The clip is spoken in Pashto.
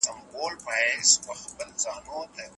حرامه مړۍ دعا له منځه وړي.